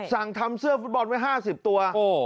สั่งทำเสื้อฟุตบอลไว้๕๐ตัว